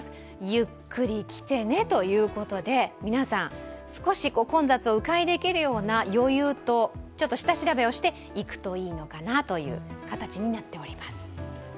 ゆっくりきてねということで皆さん、少し混雑をう回できるような余裕と、余裕と下調べをしていくといいのかなという形になっております。